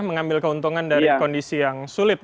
mengambil keuntungan dari kondisi yang sulit